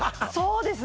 そうですね